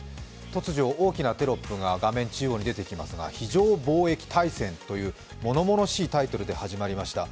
突如、大きなテロップが画面中央に出てきますが「非常防疫大戦」という物々しいタイトルが始まりました。